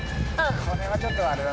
これはちょっとあれだな。